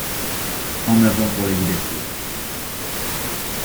En avant pour la Liberté !